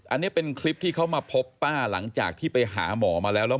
อันนี้เป็นคลิปที่เขามาพบป้าหลังจากที่ไปหาหมอมาแล้วแล้ว